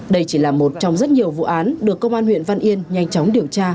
đây chỉ là một trong rất nhiều vụ án được công an huyện văn yên nhanh chóng điều tra